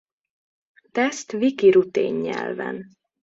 Teszt-wiki rutén nyelven